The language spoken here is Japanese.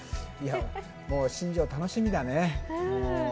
新庄、楽しみだね。